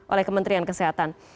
oleh kementerian kesehatan